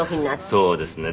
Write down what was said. そうですね。